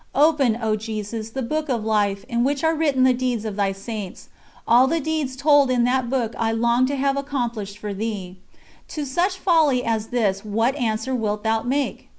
Open, O Jesus, the Book of Life, in which are written the deeds of Thy Saints: all the deeds told in that book I long to have accomplished for Thee. To such folly as this what answer wilt Thou make?